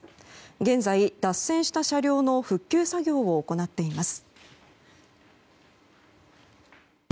現在、脱線した車両の復旧作業を行っています。